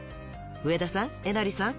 上田さんえなりさん